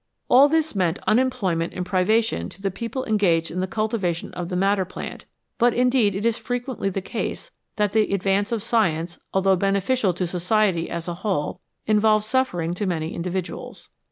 All this meant unem ployment and privation to_the people engaged in the cul tivation of the madder plant, but indeed it is frequently the case that the advance of science, although beneficial to society as a whole, involves suffering to many individuals.